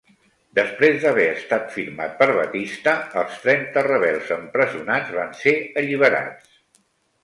Després d'haver estat firmat per Batista, els trenta rebels empresonats van ser alliberats.